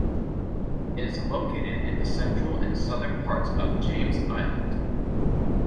It is located in the central and southern parts of James Island.